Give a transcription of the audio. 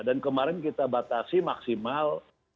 dan kemarin kita batasi maksimal lima ratus